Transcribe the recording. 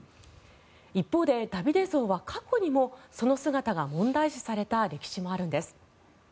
一方でダビデ像は過去にもその姿が問題視された歴史があるんです。